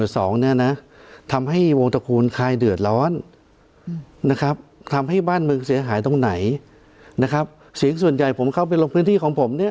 เสียงส่วนใหญ่ผมเข้าไปลมพื้นที่ของผมเนี่ย